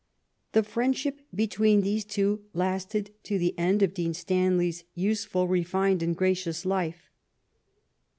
The friendship between these two lasted to the end of Dean Stanley's useful, refined, and gracious life.